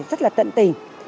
rất là tận tình